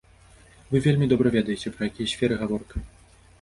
Вы вельмі добра ведаеце, пра якія сферы гаворка.